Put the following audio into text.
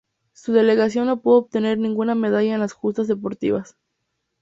Su delegación no pudo obtener ninguna medalla en las justas deportivas.